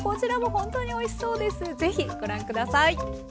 ぜひご覧下さい。